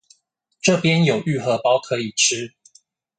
這邊有玉荷包可以吃